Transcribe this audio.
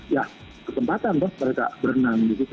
ya kesempatan kan mereka berenang